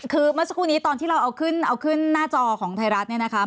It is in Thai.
คือเมื่อสักครู่นี้ตอนที่เราเอาขึ้นเอาขึ้นหน้าจอของไทยรัฐเนี่ยนะคะ